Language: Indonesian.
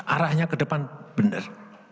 arahnya ke depan benar